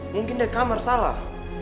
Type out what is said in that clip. mungkin dari kamar salah